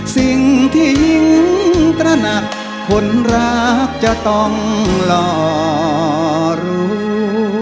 สิ่งที่ยิ่งตระหนักคนรักจะต้องหล่อรู้